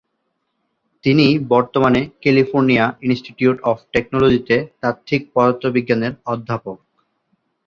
তিনি বর্তমানে California institute of টেকনোলজিতে তাত্ত্বিক পদার্থবিজ্ঞানের অধ্যাপক।